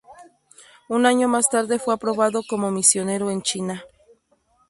Un año más tarde fue aprobado como misionero en China.